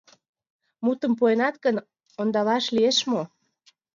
Мутым пуэнат гын, ондалаш лиеш мо?